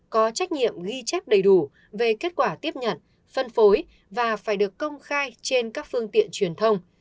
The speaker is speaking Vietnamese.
có trách nhiệm ghi chép đầy đủ về kết quả tiếp nhận phân phối và phải được công khai trên các phương tiện truyền thông